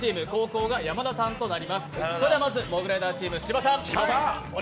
まず、モグライダーチーム、芝さん。